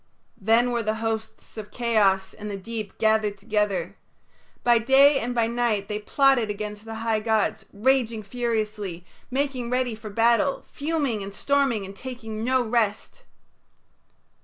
Then were the hosts of chaos and the deep gathered together. By day and by night they plotted against the high gods, raging furiously, making ready for battle, fuming and storming and taking no rest.